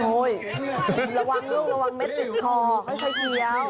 ระวังลูกระวังเม็ดติดคอค่อยเคี้ยว